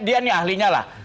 dia ini ahlinya lah